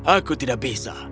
aku tidak bisa